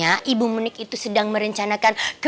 perubahan itu sesuai bersumpah ya maksudku